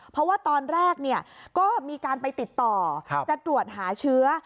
เพราะว่าตอนแรกก็มีการไปติดต่อจะตรวจหาเชื้อ